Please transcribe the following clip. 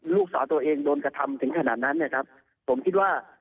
ลูกสาวตัวเองโดนกระทำถึงขนาดนั้นเนี่ยครับผมคิดว่า